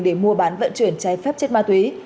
để mua bán vận chuyển trái phép chất ma túy